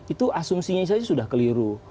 itu asumsinya saja sudah keliru